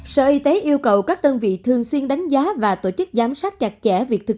sở y tế yêu cầu các đơn vị thường xuyên đánh giá và tổ chức giám sát chặt chẽ việc thực